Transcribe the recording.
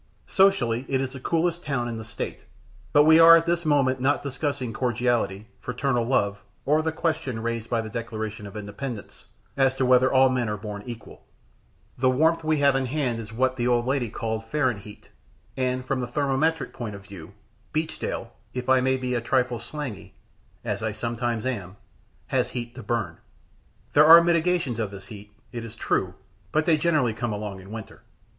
Socially, it is the coolest town in the State; but we are at this moment not discussing cordiality, fraternal love, or the question raised by the Declaration of Independence as to whether all men are born equal. The warmth we have in hand is what the old lady called "Fahrenheat," and, from a thermometric point of view, Beachdale, if I may be a trifle slangy, as I sometimes am, has heat to burn. There are mitigations of this heat, it is true, but they generally come along in winter.